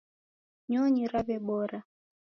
Nyonyi raw'ebora.